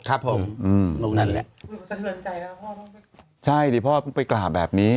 ครับผมอืมนั่นแหละสะเทือนใจแล้วพ่อไปกราบแบบนี้